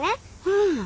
うん。